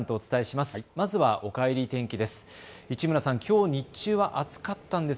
まずは、おかえり天気です。